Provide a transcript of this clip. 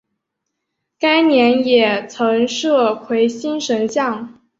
该年也增设魁星神像。